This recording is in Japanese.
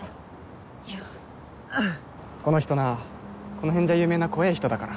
この人なこの辺じゃ有名な怖えぇ人だから。